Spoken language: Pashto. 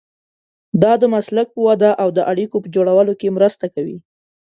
دا د مسلک په وده او د اړیکو په جوړولو کې مرسته کوي.